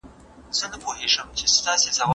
تاسي ولي د سرلوړي دپاره کار نه کوئ؟